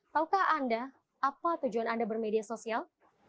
taukah anda apa tujuan anda bermedia sosial